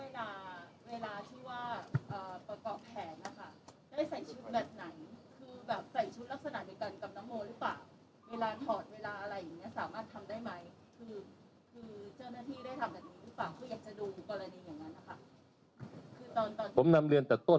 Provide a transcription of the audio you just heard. แล้วเวลาที่ว่าประกอบแผนเนี่ยคะได้ใส่ชุดแบบไหน